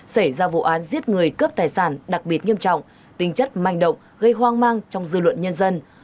xảy ra vụ án giết người cướp tài sản đặc biệt nghiêm trọng tinh chất manh động gây hoang mang trong dư luận nhân dân